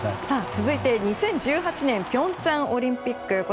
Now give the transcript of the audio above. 続いて、２０１８年平昌オリンピック。